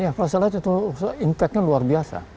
iya pasal itu impact nya luar biasa